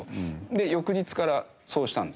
で翌日からそうしたんですよ。